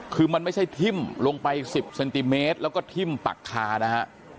คือมันไม่ใช่ทิ่มลงไป๑๐เซนติเมตรแล้วก็ทิ่มปักคานะฮะ